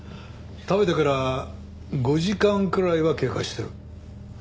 食べてから５時間くらいは経過してる。